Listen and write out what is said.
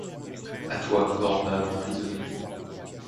A toi, grande âme emprisonnée